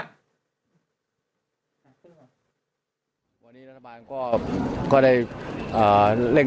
นายก็บอกขอให้ชาวหมู่โน๊ะเชื่อมั่น